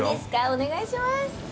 お願いしまーす。